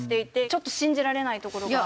ちょっと信じられないところが。